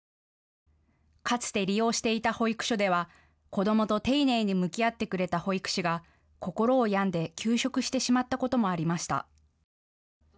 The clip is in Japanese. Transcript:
かつて利用していた保育所では子どもと丁寧に向き合ってくれた保育士が心を病んで休職してしまったこともありました。